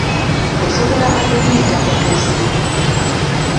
Osobola okugiyita mukessi.